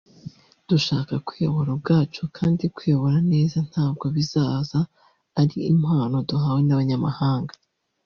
dushaka kwiyobora ubwacu kandi kwiyobora neza ntabwo bizaza ari impano duhawe n’abanyamahanga